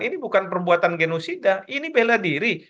ini bukan perbuatan genosida ini bela diri